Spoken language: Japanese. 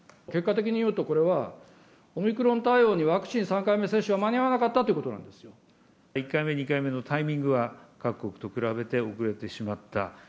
結果的に言うと、これは、オミクロン対応にワクチン３回目接種が間に合わなかったというこ１回目、２回目のタイミングは、各国と比べて遅れてしまった。